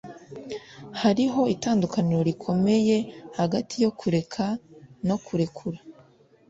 hariho itandukaniro rikomeye hagati yo kureka no kurekura